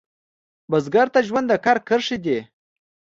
بزګر ته ژوند د کر کرښې دي